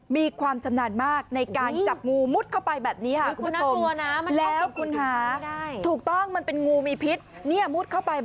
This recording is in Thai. มีความจำนานมากในการจับงูมุดเข้าไปแบบนี้คุณผู้ชม